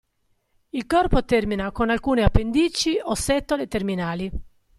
Il corpo termina con alcune appendici o setole terminali.